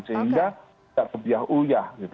sehingga tidak kebiah uyah gitu